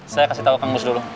saya kasih tau kang bus dulu